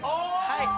はい。